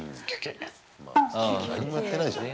何もやってないじゃない。